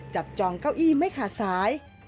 จองเก้าอี้ไม่ขาดสาย